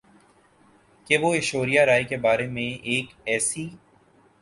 کہ وہ ایشوریا رائے کے بارے میں ایک ایسی